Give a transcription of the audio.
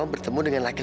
a miles yusuf bagaimana